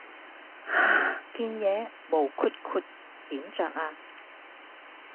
件嘢毛鬠鬠點著呀